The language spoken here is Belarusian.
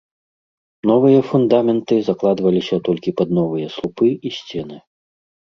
Новыя фундаменты закладваліся толькі пад новыя слупы і сцены.